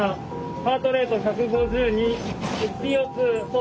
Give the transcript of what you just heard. ハートレート１５２。